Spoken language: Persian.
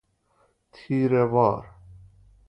تیره وار